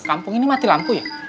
kampung ini mati lampu ya